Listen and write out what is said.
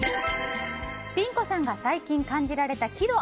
ピン子さんが最近感じられた喜怒哀